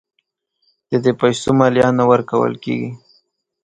د دې پیسو مالیه نه ورکول کیږي.